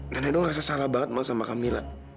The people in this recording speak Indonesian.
dan edo ngerasa salah banget ma sama kamila